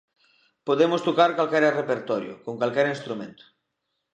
Podemos tocar calquera repertorio, con calquera instrumento.